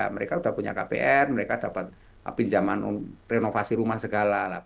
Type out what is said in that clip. mereka sudah punya kpn mereka dapat pinjaman renovasi rumah segala